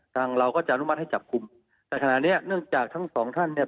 เราก็จะอนุมัติให้จับกลุ่มแต่ขณะเนี้ยเนื่องจากทั้งสองท่านเนี่ย